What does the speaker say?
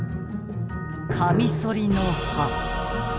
カミソリの刃。